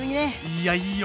いやいいよ。